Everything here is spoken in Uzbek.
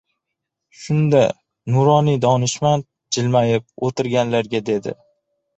Shunda nuroniy donishmand jilmayib, oʻtirganlarga dedi.